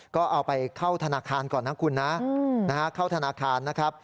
ก็เอาไปเข้าธนาคารก่อนนะคุณนะเข้าธนาคารนะครับ